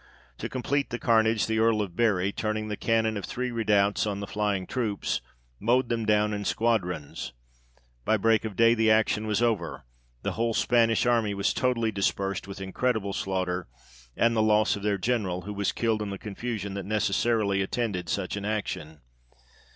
To complete the carnage, the Earl of Bury, turning the cannon of three redoubts on the flying troops, mowed them down in squadrons. By break of day the action was over, the whole Spanish army was totally dispersed, with incredible slaughter, and the loss of their General, who was killed in the confusion that necessarily attended such an action.